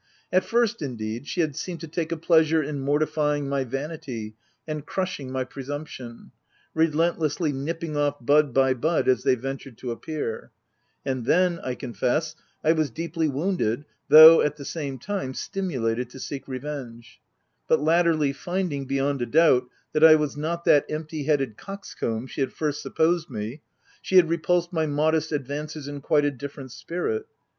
At first, indeed, she had seemed to take a pleasure in mortifying my vanity and crushing my presumption — relentlessly nipping off bud by bud as they ventured to appear ; and then, I confess, I was deeply wounded, though, at the same time, stimulated to seek revenge ;— but latterly, finding, beyond a doubt, that I was not that empty headed coxcomb she had first supposed me, she had repulsed my modest advances in quite a different spirit.